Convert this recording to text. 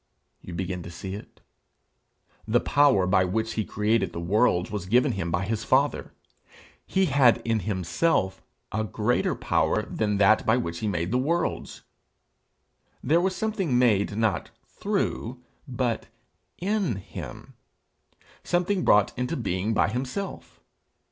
You begin to see it? The power by which he created the worlds was given him by his father; he had in himself a greater power than that by which he made the worlds. There was something made, not through but in him; something brought into being by himself.